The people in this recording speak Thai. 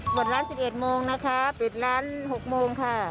เปิดร้าน๑๑โมงนะคะปิดร้าน๖โมงค่ะ